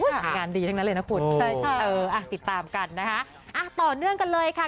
งานดีทั้งนั้นเลยนะคุณติดตามกันนะฮะต่อเนื่องกันเลยค่ะ